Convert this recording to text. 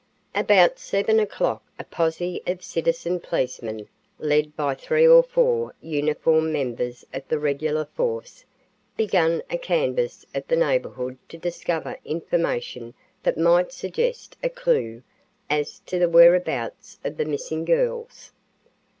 About 7 o'clock a posse of citizen policemen, led by three or four uniformed members of the regular force, began a canvass of the neighborhood to discover information that might suggest a clew as to the whereabouts of the missing girls.